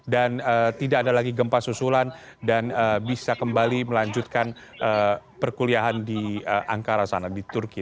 dan tidak ada lagi gempa susulan dan bisa kembali melanjutkan perkuliahan di ankara sana di turki